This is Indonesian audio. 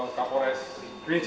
timnya kapolres kerinci